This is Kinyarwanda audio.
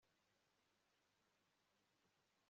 ibintu byose bidukikije biringaniye